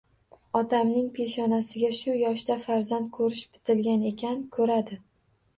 Otamning peshonasiga shu yoshda farzand ko`rish bitilgan ekan, ko`radi